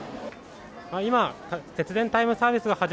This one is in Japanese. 今、節電タイムサービスが始